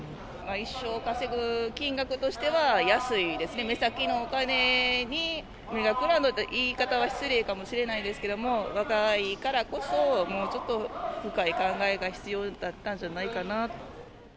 一生稼ぐ金額としては安いですね、目先のお金に目がくらんだという言い方は失礼かもしれないですけども、若いからこそ、もうちょっと深い考えが必要だったんじゃないかな。